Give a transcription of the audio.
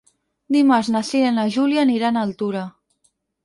Dimarts na Cira i na Júlia aniran a Altura.